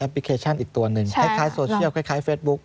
แอปพลิเคชันอีกตัวหนึ่งคล้ายคล้ายโซเชียลคล้ายคล้ายเฟซบุ๊ก